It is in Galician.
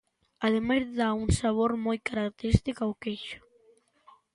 Ademais, dá un sabor moi característico ao queixo.